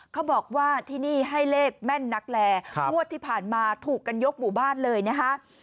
เขาบอกว่าที่นี่ให้เลขแม่นนักแลงวดที่ผ่านมาถูกกันยกหมู่บ้านเลยนะคะ